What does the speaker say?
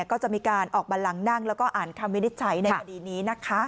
ออกมาหลังนั่งแล้วก็อ่านคำวินิจฉัยในวันนี้นะคะ